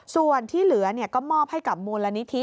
ส่วนที่เหลือก็มอบให้กับมูลนิธิ